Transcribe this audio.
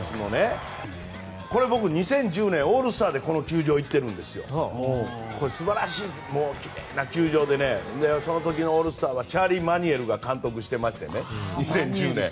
これ、僕２０１０年オールスターゲームでこの球場に行ったんですが素晴らしい奇麗な球場でその時のオールスターはチャーリー・マニエルが監督をしていまして２０１０年。